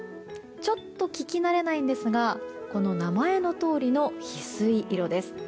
ちょっと聞きなれないんですがこの名前のとおりのヒスイ色です。